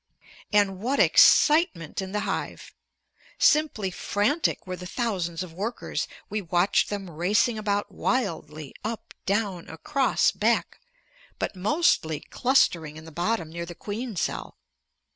And what excitement in the hive! Simply frantic were the thousands of workers. We watched them racing about wildly; up, down, across, back; but mostly clustering in the bottom near the queen cell.